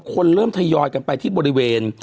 คนเริ่มทยอยกันไปที่บริเวณ